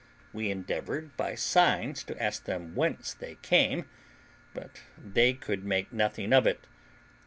We endeavoured by signs to ask them whence they came; but they could make nothing of it.